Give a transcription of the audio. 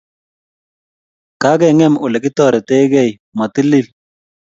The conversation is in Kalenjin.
Kagengem olegitoretegei, matilil